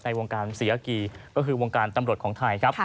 ในวงการ๔อักกรีย์ก็คือวงการตำรวจของไทย